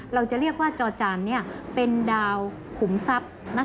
เราจะเรียกว่าจอจานเป็นดาวขุมทรัพย์